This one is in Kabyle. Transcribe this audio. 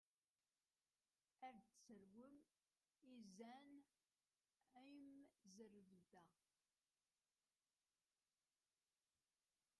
Ad teṛwum iẓẓan a imẓerbeḍḍa.